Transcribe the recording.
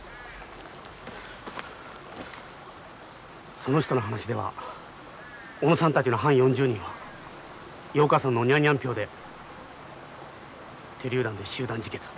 その人の話では小野さんたちの班４０人はヨウカ村のニャンニャンビョウで手りゅう弾で集団自決を。